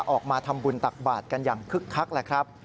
ออกมาทำบุญตักบาทกันอย่างคึกคักแหละครับ